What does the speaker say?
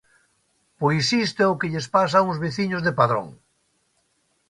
Pois isto é o que lles pasa a uns veciños de Padrón.